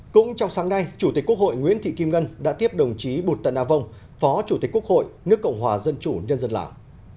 cũng trong sáng nay chủ tịch quốc hội nguyễn thị kim ngân đã tiếp đồng chí bút tân a vong phó chủ tịch quốc hội nước cộng hòa dân chủ nhân dân lào